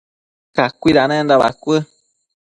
cacuidanenda bacuë